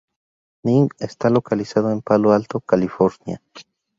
Ning está localizado en Palo Alto, California.